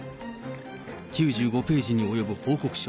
９５ページに及ぶ報告書。